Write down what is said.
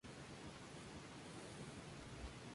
Está dentro de la bahía de Tanga.